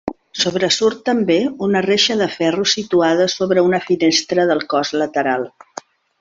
Sobresurt també una reixa de ferro situada sobre una finestra del cos lateral.